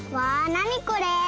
なにこれ？